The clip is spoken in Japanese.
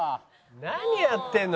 何やってんの？